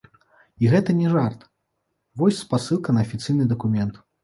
І гэта не жарт, вось спасылка на афіцыйны дакумент.